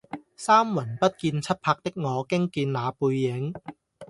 三魂不見七魄的我驚見那背影